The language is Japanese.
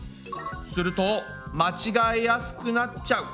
するとまちがえやすくなっちゃう。